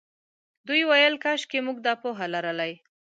دوی ویل کاشکې موږ دا پوهه لرلای.